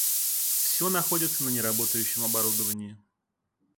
Все находится на неработающем оборудовании